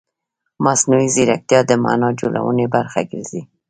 مصنوعي ځیرکتیا د معنا جوړونې برخه ګرځي.